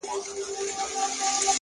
گــــوره زمــا د زړه ســـكــــونـــــه.!